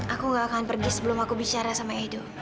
aku gak akan pergi sebelum aku bicara sama edu